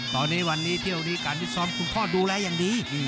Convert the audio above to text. ตอนนี้วันนี้เที่ยวนี้การวิซ้อมคุณพ่อดูแลอย่างดี